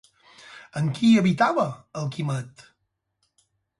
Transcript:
Amb qui habitava el Quimet?